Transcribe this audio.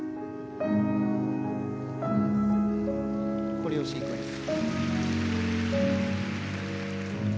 コレオシークエンス。